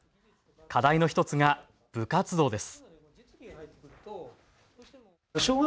課題の１つが部活動です。